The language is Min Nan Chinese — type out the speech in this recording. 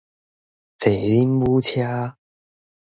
坐奶母車